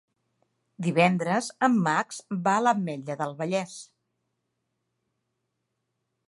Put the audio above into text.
Divendres en Max va a l'Ametlla del Vallès.